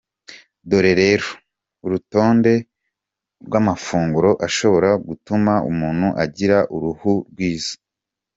Dore rero urutonde rw’amafunguro ashobora gutuma umuntu agira uruhu rwiza :.